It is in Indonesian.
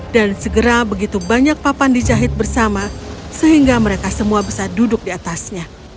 dan segera begitu banyak papan dijahit bersama sehingga mereka semua bisa duduk di atasnya